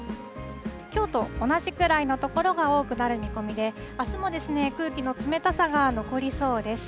きょうと同じくらいの所が多くなる見込みで、あすも空気の冷たさが残りそうです。